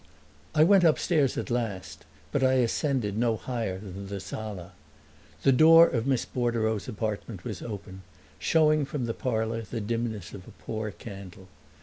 I went upstairs at last but I ascended no higher than the sala. The door of Miss Bordereau's apartment was open, showing from the parlor the dimness of a poor candle.